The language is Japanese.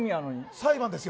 裁判ですよ？